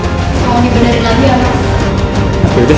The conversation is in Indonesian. kamu di benerin lagi ya mbak